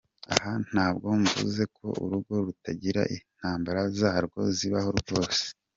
Aha ntabwo mvuze ko urugo rutagira intambara zarwo, zibaho rwose.